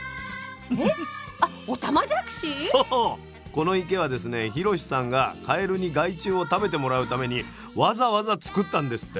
この池はですね博四さんがカエルに害虫を食べてもらうためにわざわざ作ったんですって。